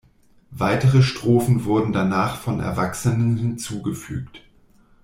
Weitere Strophen wurden danach von Erwachsenen hinzugefügt.